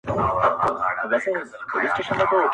o تر يو خروار زرو، يوه ذره عقل ښه دئ!